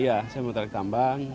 iya saya mau tarik tambang